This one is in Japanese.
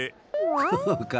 こうか？